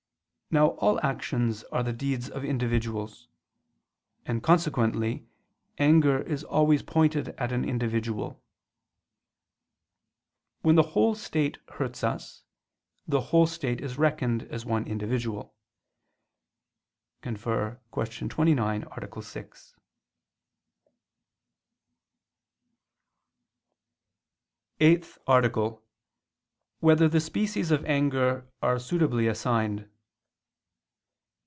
Now all actions are the deeds of individuals: and consequently anger is always pointed at an individual. When the whole state hurts us, the whole state is reckoned as one individual [*Cf. Q. 29, A. 6]. ________________________ EIGHTH ARTICLE [I II, Q. 46, Art. 8] Whether the Species of Anger Are Suitably Assigned?